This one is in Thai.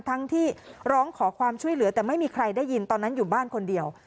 ทั้งที่ร้องขอความช่วยเหลือแต่ไม่มีใครได้ยินตอนนั้นอยู่บ้านคนเดียว